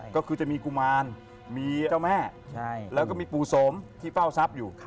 ก็คือจะมีกุมารมีเจ้าแม่แล้วก็มีปู่สมที่เฝ้าทรัพย์อยู่